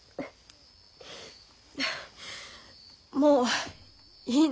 もういいの。